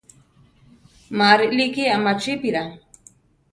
Má rilíki amachípira.